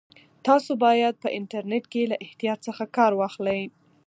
تاسو باید په انټرنیټ کې له احتیاط څخه کار واخلئ.